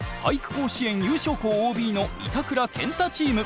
甲子園優勝校ＯＢの板倉ケンタチーム。